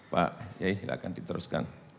pak yai silahkan diteruskan